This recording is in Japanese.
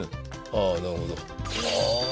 ああなるほど。